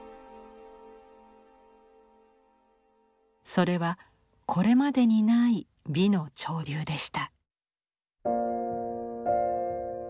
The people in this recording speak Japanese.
それはこれまでにない美の潮流でした。